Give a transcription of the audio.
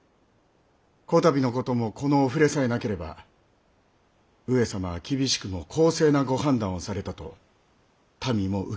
こたびのこともこのお触れさえなければ上様は厳しくも公正なご判断をされたと民も受け止めたことかと。